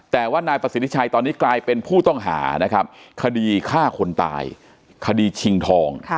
แต่ว่านายประสิทธิชัยตอนนี้กลายเป็นผู้ต้องหานะครับคดีฆ่าคนตายคดีชิงทอง